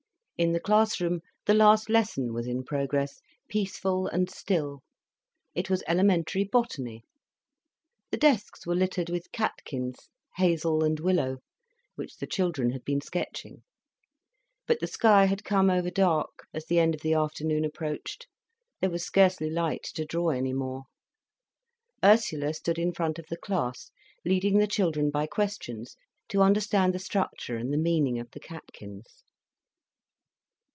In the class room the last lesson was in progress, peaceful and still. It was elementary botany. The desks were littered with catkins, hazel and willow, which the children had been sketching. But the sky had come overdark, as the end of the afternoon approached: there was scarcely light to draw any more. Ursula stood in front of the class, leading the children by questions to understand the structure and the meaning of the catkins.